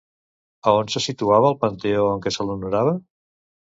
A on se situava el panteó en què se l'honorava?